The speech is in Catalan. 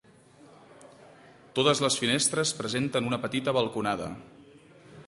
Totes les finestres presenten una petita balconada.